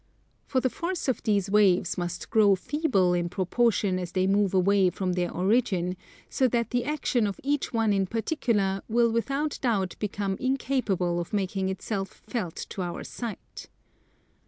For the force of these waves must grow feeble in proportion as they move away from their origin, so that the action of each one in particular will without doubt become incapable of making itself felt to our sight.